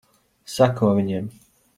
Seko viņiem.